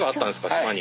島に。